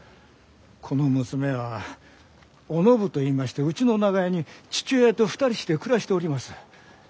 この娘はお信といいましてうちの長屋に父親と２人して暮らしております。